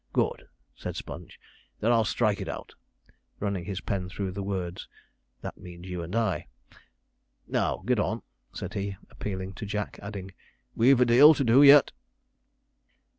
'Good,' said Sponge; 'then I'll strike that out,' running his pen through the words 'that means you and I.' 'Now get on,' said he, appealing to Jack, adding, 'we've a deal to do yet.'